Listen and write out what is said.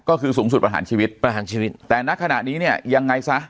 ก็คือสูงสุดประหารชีวิตแต่ในขณะนี้ยังไง